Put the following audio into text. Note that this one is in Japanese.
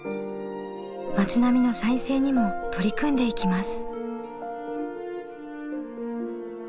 町並みの再生にも取り組んでいきます。